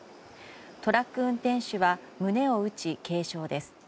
トラック運転手は胸を打ち軽傷です。